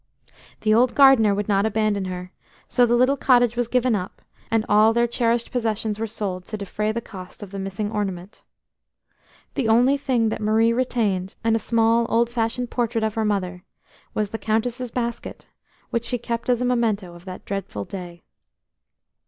The old gardener would not abandon her, so the little cottage was given up, and all their cherished possessions were sold to defray the cost of the missing ornament. The only thing that Marie retained, besides the clothes she wore and a small old fashioned portrait of her mother, was the Countess's basket, which she kept as a memento of that dreadful day.